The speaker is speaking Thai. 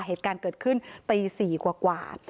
เหตุการณ์เกิดขึ้นตี๔กว่า